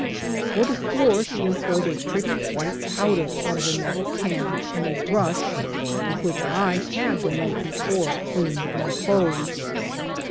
For the floor she employed a pretty, white powder out of a metal can and a brush with which I had the night before cleaned my clothes.